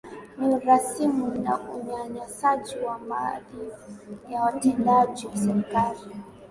Ni urasimu na unyanyasaji wa baadhi ya watendaji serikalini